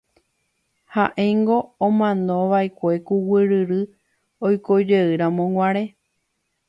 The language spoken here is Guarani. Ha'éngo omanova'ekue ku guyryry oikojeyramoguare.